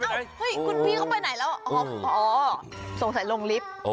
เฮ้ยคุณพี่เขาไปไหนแล้วอ๋อสงสัยลงลิฟต์